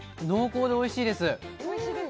濃厚でおいしいです。